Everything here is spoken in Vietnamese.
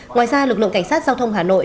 ngoài ra lực lượng cảnh sát giao thông hà nội